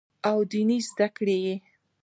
او ديني زدکړې ئې